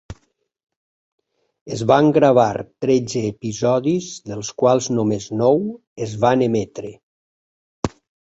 Es van gravar tretze episodis, dels quals només nou es van emetre.